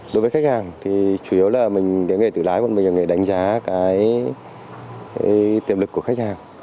đối với khách hàng chủ yếu là mình nghề tự lái mình là nghề đánh giá cái tiềm lực của khách hàng